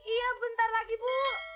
iya bentar lagi bu